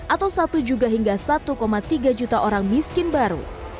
atau satu juga hingga satu tiga juta orang miskin baru